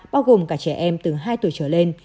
bao gồm cả trẻ em từ hai tuổi trở lên